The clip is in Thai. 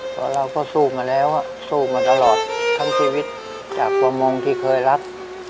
เพราะเราก็สู้มาแล้วสู้มาตลอดทั้งชีวิตจากประมงที่เคยรัก